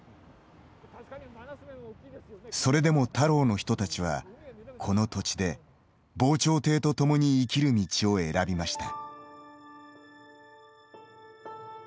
それでも田老の人たちはこの土地で、防潮堤と共に生きる道を選びました。